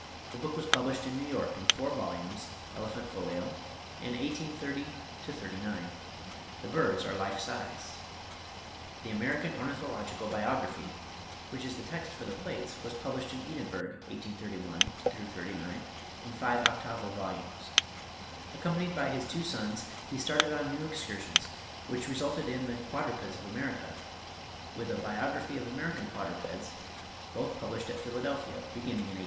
The book was published in New York in four volumes (elephant folio) in 1830 39. The birds are life size. 'The American Ornithological Biography,' which is the text for the plates, was published in Edinburgh, 1831 39, in five octavo volumes. Accompanied by his two sons he started on new excursions, which resulted in 'The Quadrupeds of America,' with a 'Biography of American Quadrupeds,' both published at Philadelphia, beginning in 1840.